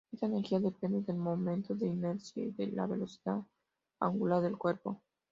Esta energía depende del momento de inercia y de la velocidad angular del cuerpo.